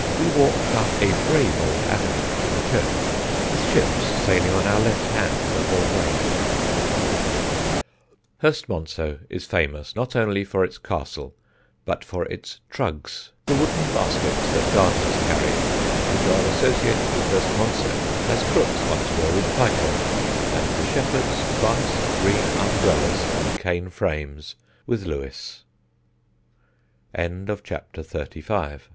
We walked up a brave old avenue to the church, with ships sailing on our left hand the whole way." [Sidenote: TRUGS] Hurstmonceux is famous not only for its castle, but for its "trugs," the wooden baskets that gardeners carry, which are associated with Hurstmonceux as crooks once were with Pyecombe, and the shepherds' vast green umbrellas, on cane fra